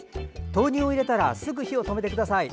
豆乳を入れたらすぐ火を止めてください。